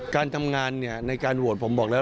การทำงานในการโหวตผมบอกแล้ว